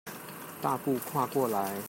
大步跨過來